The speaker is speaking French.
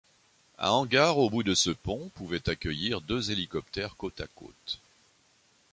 Un hangar au bout de ce pont pouvait accueillir deux hélicoptères côte à côte.